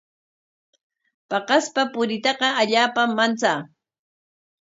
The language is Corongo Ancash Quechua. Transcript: Paqaspa puriytaqa allaapam manchaa.